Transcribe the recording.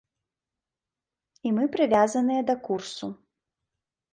І мы прывязаныя да курсу.